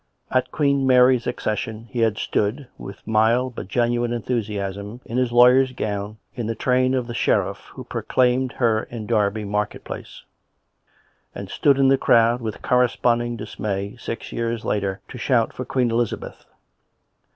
At Queen Mary's accession, he had stood, with mild but 70 COME RACK! COME ROPE! genuine entliusiasm, in his lawyer's gown, in the train of the sheriff who proclaimed her in Derby market place; and stood in the crowd, with corresponding dismay, six years later to shout for Queen Elizabeth.